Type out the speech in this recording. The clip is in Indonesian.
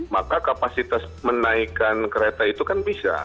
maka kapasitas menaikkan kereta itu kan bisa